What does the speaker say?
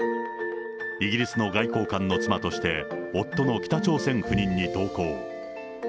イギリスの外交官の妻として、夫の北朝鮮赴任に同行。